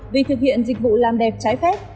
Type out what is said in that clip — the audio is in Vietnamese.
vì thực hiện dịch vụ làm đẹp trái phép